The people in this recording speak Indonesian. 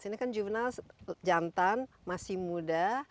ini kan juvenile jantan masih muda